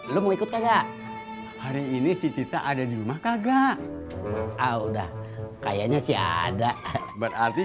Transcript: lo mau ikut kaya hari ini si cita ada di rumah kagak ah udah kayaknya sih ada berarti